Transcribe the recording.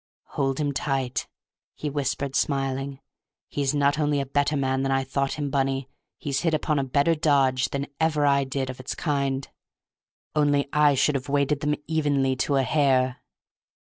"Hold him tight," he whispered, smiling. "He's not only a better man than I thought him, Bunny; he's hit upon a better dodge than ever I did, of its kind. Only I should have weighted them evenly—to a hair."